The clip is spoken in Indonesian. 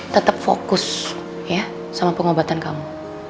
tetap fokus ya sama pengobatan kamu